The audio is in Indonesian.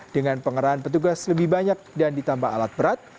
dengan pengerahan petugas lebih banyak dan ditambah alat berat